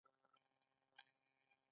د موم لایی د مات شوي هډوکي لپاره وکاروئ